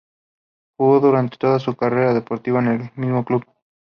Jugó durante toda su carrera deportiva en el mismo club.